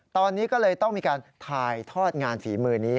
ตอนนี้ก็เลยต้องมีการถ่ายทอดงานฝีมือนี้